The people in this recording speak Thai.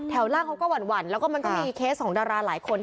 ล่างเขาก็หวั่นแล้วก็มันก็มีเคสของดาราหลายคน